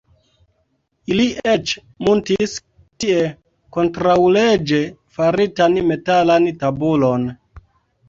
Ili eĉ muntis tie kontraŭleĝe faritan metalan tabulon.